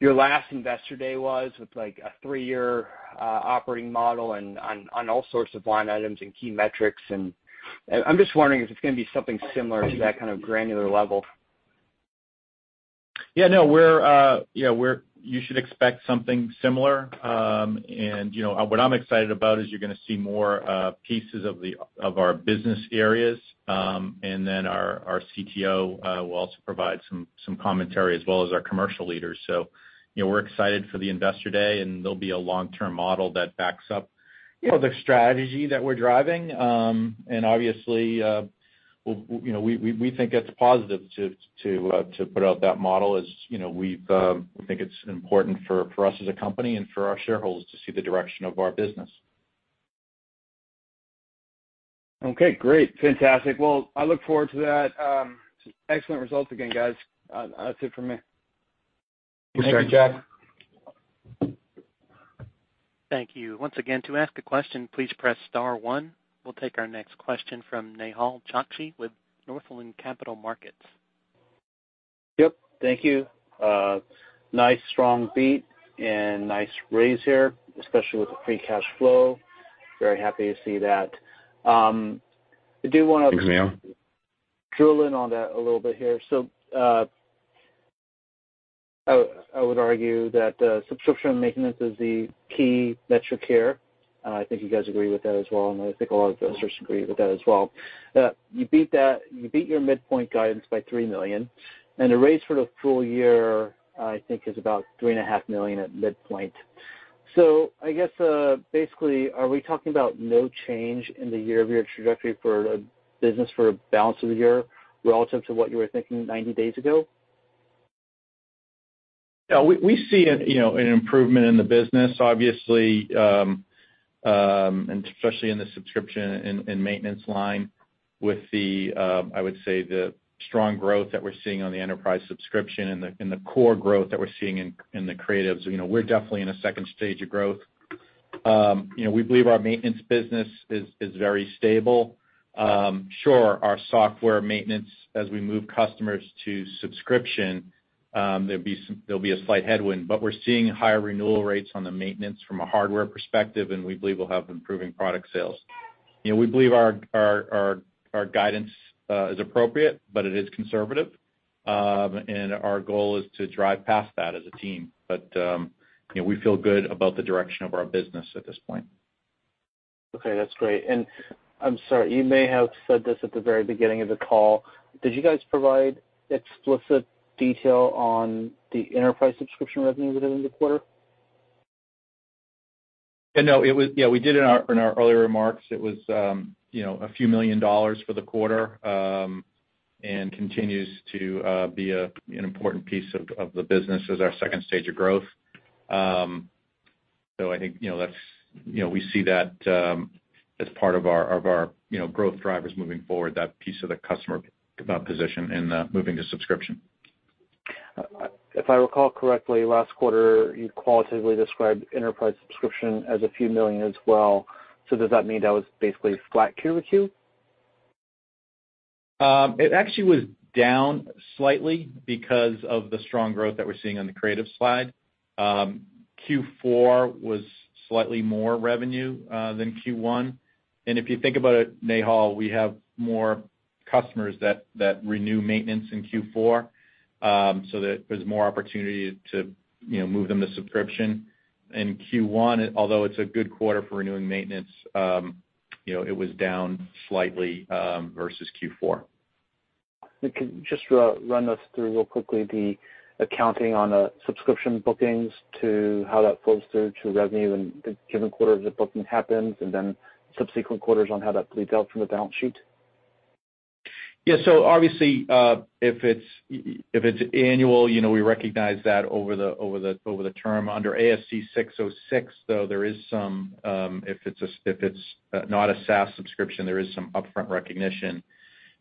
your last investor day was with a three-year operating model and on all sorts of line items and key metrics? I'm just wondering if it's going to be something similar to that kind of granular level. Yeah. What I'm excited about is you're going to see more pieces of our business areas. Our CTO will also provide some commentary as well as our commercial leaders. We're excited for the investor day, and there'll be a long-term model that backs up the strategy that we're driving. Obviously, we think that's a positive to put out that model as we think it's important for us as a company and for our shareholders to see the direction of our business. Okay, great. Fantastic. Well, I look forward to that. Excellent results again, guys. That's it for me. Thanks, Jack. Thanks, Jack. Thank you. Once again, to ask a question, please press star one. We'll take our next question from Nehal Chokshi with Northland Capital Markets. Yep. Thank you. Nice strong beat and nice raise here, especially with the free cash flow. Very happy to see that. Thanks, Nehal. drill in on that a little bit here. I would argue that subscription maintenance is the key metric here. I think you guys agree with that as well, and I think a lot of the investors agree with that as well. You beat your midpoint guidance by $3 million, and the raise for the full year, I think, is about $ 3.5 Million at midpoint. I guess basically, are we talking about no change in the year-over-year trajectory for business for the balance of the year relative to what you were thinking 90 days ago? Yeah, we see an improvement in the business, obviously, and especially in the subscription and maintenance line with the, I would say, the strong growth that we're seeing on the enterprise subscription and the core growth that we're seeing in the creative. We're definitely in a second stage of growth. We believe our maintenance business is very stable. Sure, our software maintenance as we move customers to subscription, there'll be a slight headwind, but we're seeing higher renewal rates on the maintenance from a hardware perspective, and we believe we'll have improving product sales. We believe our guidance is appropriate, but it is conservative. Our goal is to drive past that as a team. We feel good about the direction of our business at this point. Okay, that's great. I'm sorry, you may have said this at the very beginning of the call. Did you guys provide explicit detail on the enterprise subscription revenue within the quarter? No, we did in our earlier remarks. It was a few million dollars for the quarter, and continues to be an important piece of the business as our second stage of growth. I think we see that as part of our growth drivers moving forward, that piece of the customer position in moving to subscription. If I recall correctly, last quarter, you qualitatively described enterprise subscription as a few million as well. Does that mean that was basically flat Q over Q? It actually was down slightly because of the strong growth that we're seeing on the creative side. Q4 was slightly more revenue than Q1. If you think about it, Nehal, we have more customers that renew maintenance in Q4, so that there's more opportunity to move them to subscription. In Q1, although it's a good quarter for renewing maintenance it was down slightly versus Q4. Could you just run us through real quickly the accounting on the subscription bookings to how that flows through to revenue in the given quarter the booking happens, and then subsequent quarters on how that plays out from the balance sheet? Yeah. Obviously, if it's annual, we recognize that over the term. Under ASC 606, though, if it's not a SaaS subscription, there is some upfront recognition.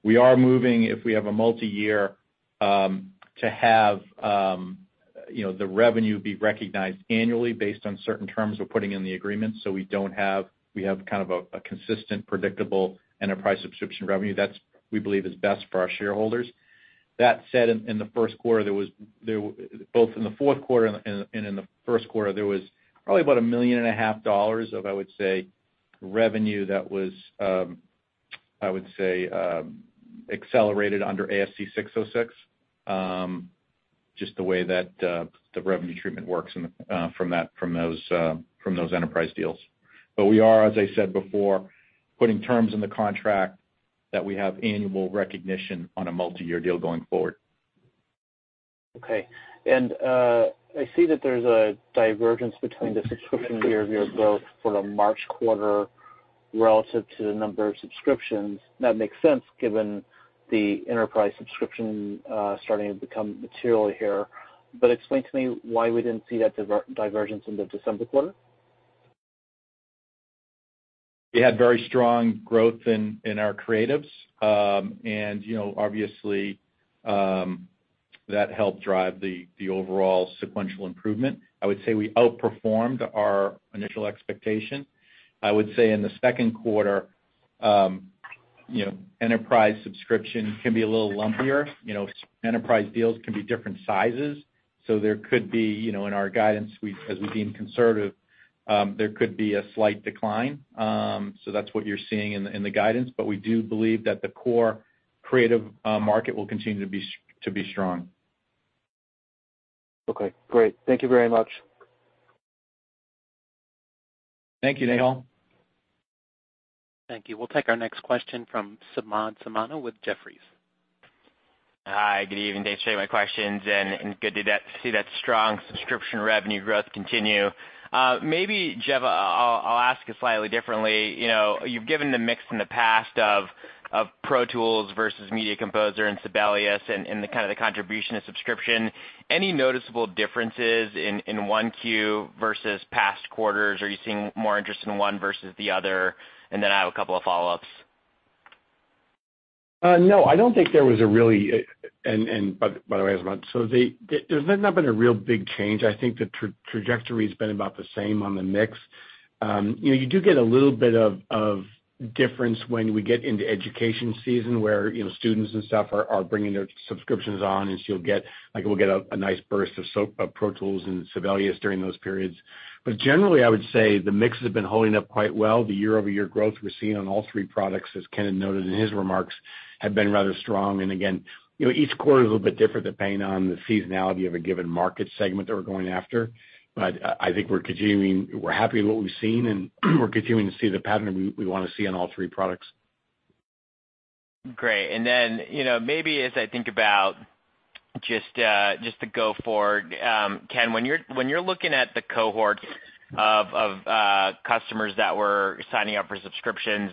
We are moving, if we have a multi-year, to have the revenue be recognized annually based on certain terms we're putting in the agreement, so we have kind of a consistent, predictable enterprise subscription revenue that we believe is best for our shareholders. That said, both in the fourth quarter and in the first quarter, there was probably about a $1.5 million, I would say, revenue that was, I would say, accelerated under ASC 606, just the way that the revenue treatment works from those enterprise deals. We are, as I said before, putting terms in the contract that we have annual recognition on a multi-year deal going forward. Okay. I see that there's a divergence between the subscription year-over-year growth for the March quarter relative to the number of subscriptions. That makes sense given the enterprise subscription starting to become material here. Explain to me why we didn't see that divergence in the December quarter? We had very strong growth in our creatives, obviously, that helped drive the overall sequential improvement. I would say we outperformed our initial expectation. I would say in the second quarter, enterprise subscription can be a little lumpier. Enterprise deals can be different sizes. There could be, in our guidance, as we've been conservative, there could be a slight decline. That's what you're seeing in the guidance. We do believe that the core creative market will continue to be strong. Okay, great. Thank you very much. Thank you, Nehal. Thank you. We'll take our next question from Samad Samana with Jefferies. Hi, good evening. Thanks for taking my questions, and good to see that strong subscription revenue growth continue. Maybe, Jeff, I'll ask it slightly differently. You've given the mix in the past of Pro Tools versus Media Composer and Sibelius and the kind of the contribution of subscription. Any noticeable differences in Q1 versus past quarters? Are you seeing more interest in one versus the other? I have a couple of follow-ups. No, by the way, Samad, there's not been a real big change. I think the trajectory's been about the same on the mix. You do get a little bit of difference when we get into education season, where students and stuff are bringing their subscriptions on, you'll get, like, we'll get a nice burst of Pro Tools and Sibelius during those periods. Generally, I would say the mix has been holding up quite well. The year-over-year growth we're seeing on all three products, as Ken had noted in his remarks, have been rather strong. Again, each quarter is a little bit different, depending on the seasonality of a given market segment that we're going after. I think we're continuing. We're happy with what we've seen, and we're continuing to see the pattern we want to see on all three products. Great. Maybe as I think about just to go forward, Ken, when you're looking at the cohort of customers that were signing up for subscriptions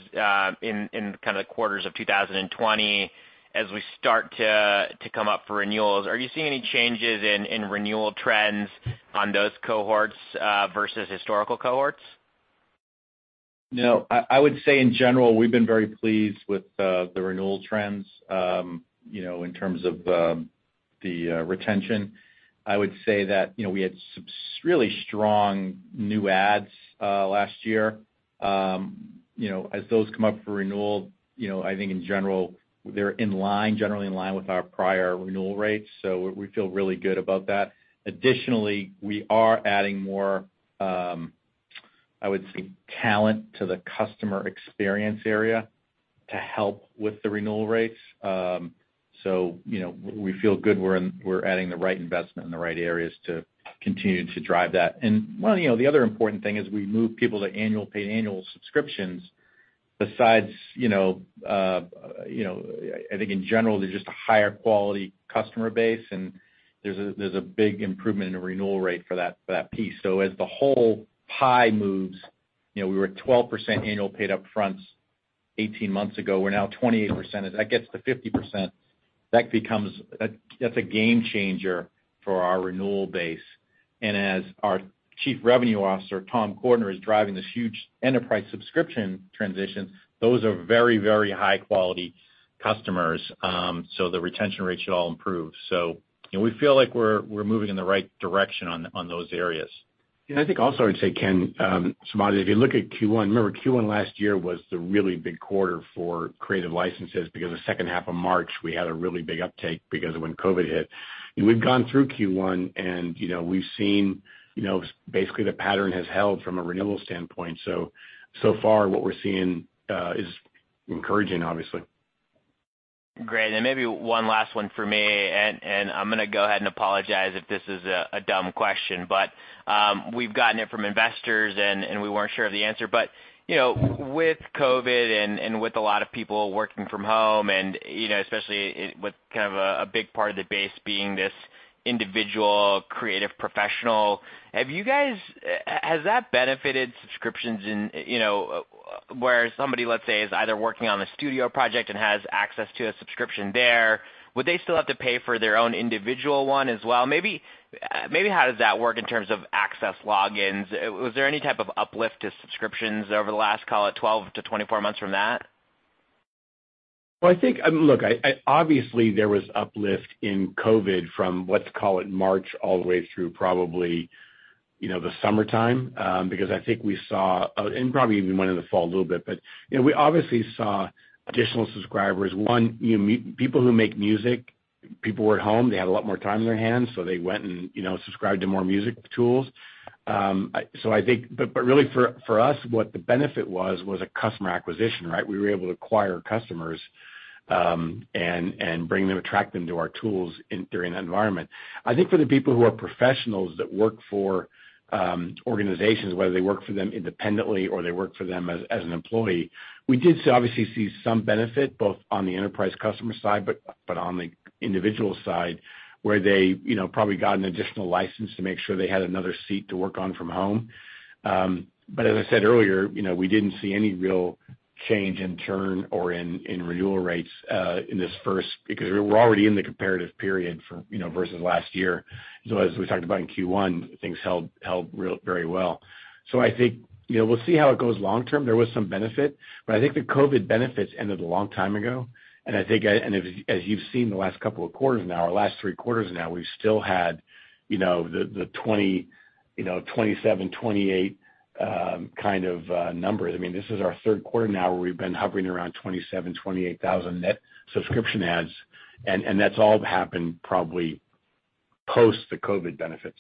in the quarters of 2020, as we start to come up for renewals, are you seeing any changes in renewal trends on those cohorts versus historical cohorts? No. I would say, in general, we've been very pleased with the renewal trends in terms of the retention. I would say that we had some really strong new adds last year. As those come up for renewal, I think in general, they're generally in line with our prior renewal rates, so we feel really good about that. Additionally, we are adding more, I would say, talent to the customer experience area to help with the renewal rates. We feel good we're adding the right investment in the right areas to continue to drive that. Well, the other important thing is we move people to paid annual subscriptions besides, I think in general, there's just a higher quality customer base, and there's a big improvement in the renewal rate for that piece. As the whole pie moves, we were at 12% annual paid upfronts 18 months ago. We're now 28%. As that gets to 50%, that's a game changer for our renewal base. As our Chief Revenue Officer, Tom Cordiner, is driving this huge enterprise subscription transition, those are very high-quality customers. The retention rate should all improve. We feel like we're moving in the right direction on those areas. I think also, I would say, Ken, Samad, if you look at Q1, remember Q1 last year was the really big quarter for creative licenses because the second half of March, we had a really big uptake because of when COVID hit. We've gone through Q1, and we've seen basically the pattern has held from a renewal standpoint. So far what we're seeing is encouraging, obviously. Great. Maybe one last one for me, and I'm going to go ahead and apologize if this is a dumb question, but we've gotten it from investors, and we weren't sure of the answer. With COVID and with a lot of people working from home, and especially with kind of a big part of the base being this individual creative professional, has that benefited subscriptions in, where somebody, let's say, is either working on a studio project and has access to a subscription there, would they still have to pay for their own individual one as well? Maybe how does that work in terms of access logins? Was there any type of uplift to subscriptions over the last, call it 12 to 24 months from that? Well, I think, look, obviously, there was uplift in COVID from, let's call it March all the way through probably the summertime, because I think we saw and probably even went in the fall a little bit. We obviously saw additional subscribers. One, people who make music, people who are at home, they had a lot more time on their hands, so they went and subscribed to more music tools. Really, for us, what the benefit was a customer acquisition, right? We were able to acquire customers and bring them, attract them to our tools during that environment. I think for the people who are professionals that work for organizations, whether they work for them independently or they work for them as an employee, we did obviously see some benefit, both on the enterprise customer side, but on the individual side, where they probably got an additional license to make sure they had another seat to work on from home. As I said earlier, we didn't see any real change in churn or in renewal rates in this first, because we were already in the comparative period versus last year. As we talked about in Q1, things held very well. I think we'll see how it goes long term. There was some benefit, but I think the COVID benefits ended a long time ago, and I think as you've seen the last couple of quarters now, or last three quarters now, we've still had the 27, 28 kind of numbers. This is our third quarter now where we've been hovering around 27,000, 28,000 net subscription adds, and that's all happened probably post the COVID benefits.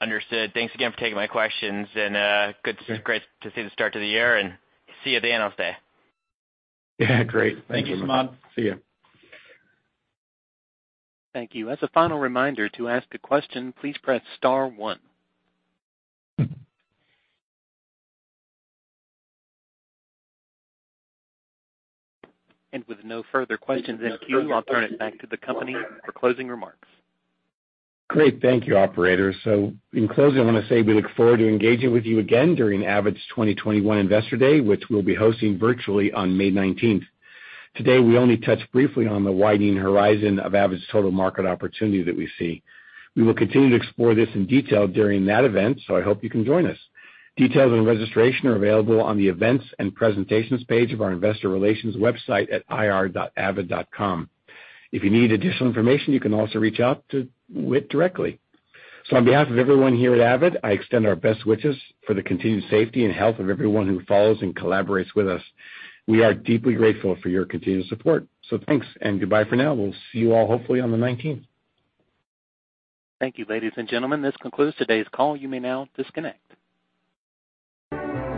Understood. Thanks again for taking my questions, and great to see the start to the year, and see you at the Analyst Day. Yeah, great. Thanks so much. Thank you, Samad. See you. Thank you. As a final reminder, to ask a question, please press star one. With no further questions in queue, I'll turn it back to the company for closing remarks. Great. Thank you, operator. In closing, I want to say we look forward to engaging with you again during Avid's 2021 Investor Day, which we'll be hosting virtually on May 19th. Today, we only touched briefly on the widening horizon of Avid's total market opportunity that we see. We will continue to explore this in detail during that event, so I hope you can join us. Details and registration are available on the Events and Presentations page of our investor relations website at ir.avid.com. If you need additional information, you can also reach out to Whit directly. On behalf of everyone here at Avid, I extend our best wishes for the continued safety and health of everyone who follows and collaborates with us. We are deeply grateful for your continued support. Thanks, and goodbye for now. We'll see you all hopefully on the 19th. Thank you, ladies and gentlemen. This concludes today's call. You may now disconnect.